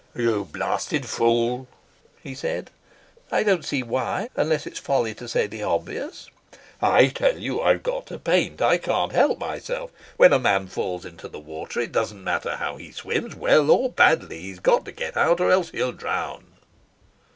"You blasted fool," he said. "I don't see why, unless it's folly to say the obvious." "I tell you I've got to paint. I can't help myself. When a man falls into the water it doesn't matter how he swims, well or badly: he's got to get out or else he'll drown."